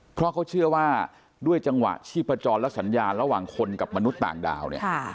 เพราะเขาเชื่อว่าด้วยจังหวะชีพจรและสัญญาณระหว่างคนกับมนุษย์ต่างดาวเนี่ย